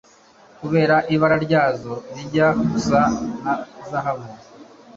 kubera ibara ryazo rijya gusa na Zahabu